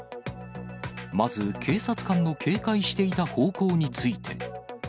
まず、警察官の警戒していた方向について。